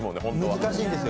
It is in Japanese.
難しいんですよ。